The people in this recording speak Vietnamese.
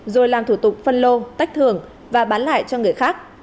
rồi làm thủ tục phân lô tách thử và bán lại cho người khác